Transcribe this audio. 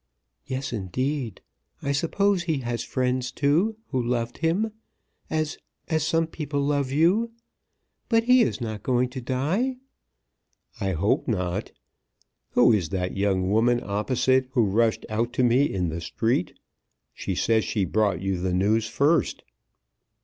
"Yes, indeed! I suppose he has friends, too, who loved him, as as some people love you. But he is not going to die?" "I hope not. Who is that young woman opposite who rushed out to me in the street? She says she brought you the news first."